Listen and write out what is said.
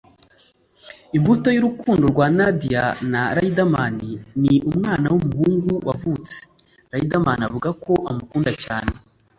Imbuto y’urukundo rwa Nadia na Riderman ni umwana w’umuhungu wavutse; Riderman avuga ko amukunda cyane